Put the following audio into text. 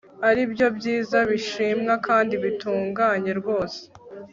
ari byo byiza bishimwa kandi bitunganye rwose